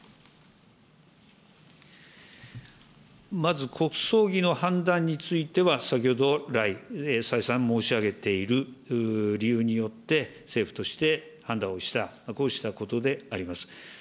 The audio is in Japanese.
まず、国葬儀の判断については、先ほど来、再三申し上げている理由によって、政府として判断をした、こうしたことであります。